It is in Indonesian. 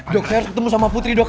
dok saya harus ketemu sama putri dok